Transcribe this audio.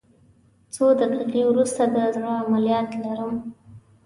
څو دقیقې وروسته د زړه عملیات لرم